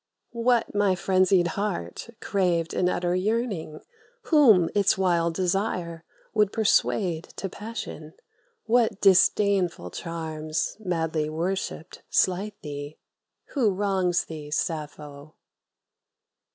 "What my frenzied heart craved in utter yearning, Whom its wild desire would persuade to passion? What disdainful charms, madly worshipped, slight thee? Who wrongs thee, Sappho?"